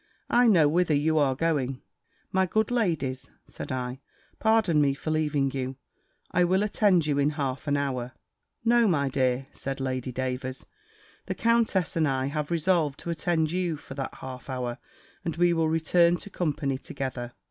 I know whither you are going." "My good ladies," said I, "pardon me for leaving you. I will attend you in half an hour." "No, my dear," said Lady Davers, "the countess and I have resolved to attend you for that half hour, and we will return to company together."